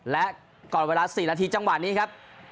และก่อนเวลา๔นาทีจังหวะนี้ครับ